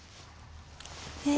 「え？